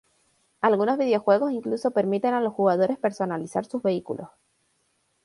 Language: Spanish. Algunos videojuegos incluso permiten a los jugadores personalizar sus vehículos.